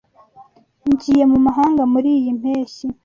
Ngiye mu mahanga muriyi mpeshyi.